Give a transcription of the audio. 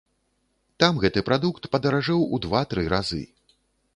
Там гэты прадукт падаражэў у два-тры разы.